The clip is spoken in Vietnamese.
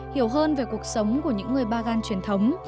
hiểu hơn về cuộc sống của những người bagan truyền thống